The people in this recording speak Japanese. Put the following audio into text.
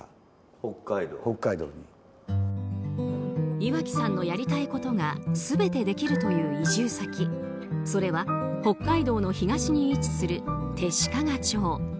岩城さんのやりたいことが全てできるという移住先それは北海道の東に位置する弟子屈町。